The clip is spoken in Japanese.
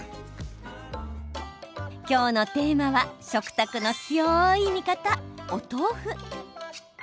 きょうのテーマは食卓の強い味方、お豆腐。